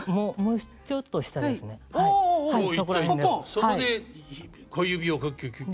そこで小指をキュッキュッキュッて。